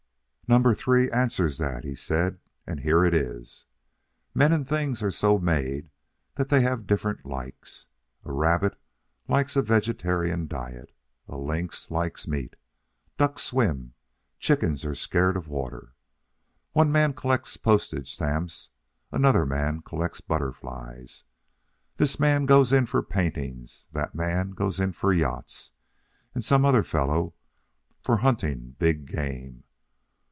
"Number three answers that," he said, "and here it is: Men and things are so made that they have different likes. A rabbit likes a vegetarian diet. A lynx likes meat. Ducks swim; chickens are scairt of water. One man collects postage stamps, another man collects butterflies. This man goes in for paintings, that man goes in for yachts, and some other fellow for hunting big game.